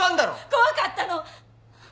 怖かったの！